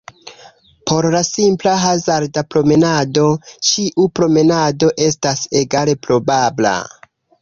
Por la simpla hazarda-promenado, ĉiu promenado estas egale probabla.